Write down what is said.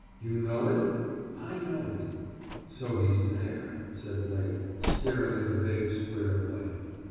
"You know it?" "I know it." "So he's there?" said Blake, staring at the vague square of light.